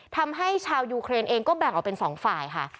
ทำให้ชาวยูเครนเองก็แบ่งออกเป็น๒ฝ่ายค่ะ